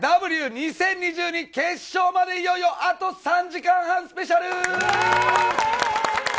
２０２２決勝までいよいよあと３時間半スペシャル！